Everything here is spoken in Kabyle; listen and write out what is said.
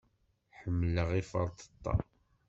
Ḥemmleɣ iferṭeṭṭa.